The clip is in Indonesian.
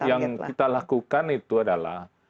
jadi yang kita lakukan itu adalah